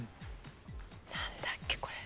何だっけ？